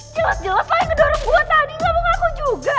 jelas jelas lah yang ngedorong gue tadi gak mau ngaku juga